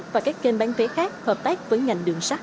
và các kênh bán vé khác hợp tác với ngành đường sắt